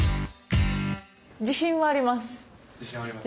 自信はあります！